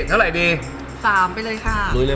เท่าไหร่ดี